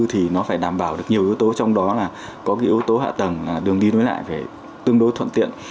thì nó phải đảm bảo được nhiều yếu tố trong đó là có cái yếu tố hạ tầng là đường đi nối lại phải tương đối thuận tiện